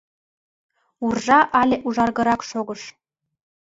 Уржа але ужаргырак шогыш.